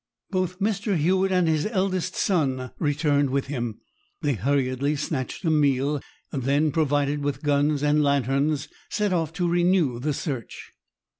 Both Mr. Hewett and his eldest son returned with him. They hurriedly snatched a meal, and then, provided with guns and lanterns, set off to renew the search.